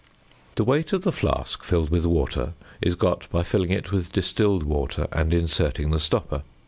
The weight of the flask filled with water is got by filling it with distilled water, and inserting the stopper.